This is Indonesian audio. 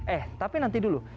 eh tapi nanti dulu